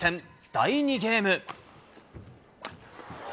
第２ゲーム。